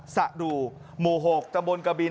สะดูหมู่๖ตำบลกบิน